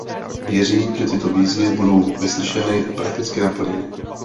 Věřím, že tyto výzvy budou vyslyšeny a prakticky naplněny.